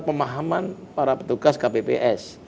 pemahaman para petugas kpps